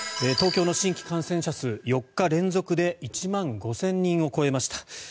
東京の新規感染者数４日連続で１万５０００人を超えました。